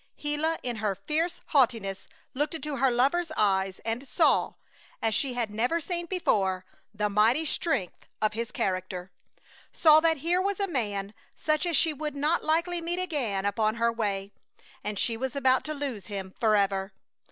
Gila in her fierce haughtiness looked into her lover's eyes and saw, as she had never seen before, the mighty strength of his character! Saw that here was a man such as she would not likely meet again upon her way, and she was about to lose him forever.